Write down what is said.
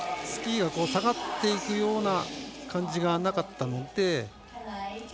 スキーが下がっていくような感じがなかったので。